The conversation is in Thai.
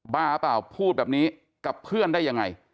บ้าเปล่าพูดแบบนี้กับเพื่อนได้ยังไง